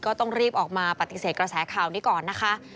ก็ต้องรีบออกมาปฏิเสธกระแสข่าวนี้ก่อนนะคะ